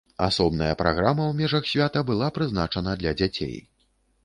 Асобная праграма ў межах свята была прызначана для дзяцей.